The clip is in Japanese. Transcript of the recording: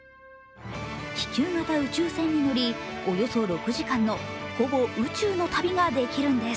気球型宇宙船に乗り、およそ６時間のほぼ宇宙の旅ができるんです。